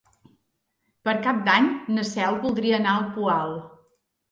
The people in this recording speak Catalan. Per Cap d'Any na Cel voldria anar al Poal.